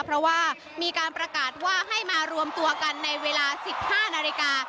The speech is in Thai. เพราะว่ามีการประกาศว่าให้มารวมตัวกันในเวลา๑๕นาฬิกา